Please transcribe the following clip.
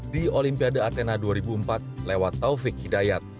di olimpiade atena dua ribu empat lewat taufik hidayat